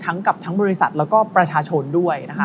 กับทั้งบริษัทแล้วก็ประชาชนด้วยนะคะ